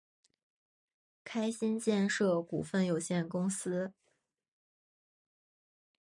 开心建设股份有限公司